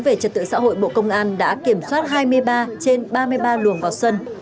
về trật tự xã hội bộ công an đã kiểm soát hai mươi ba trên ba mươi ba luồng vào xuân